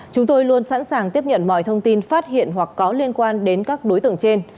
chúng tôi luôn sẵn sàng tiếp nhận mọi thông tin phát hiện hoặc có liên quan đến các đối tượng trên